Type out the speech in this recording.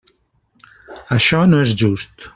Això no és just.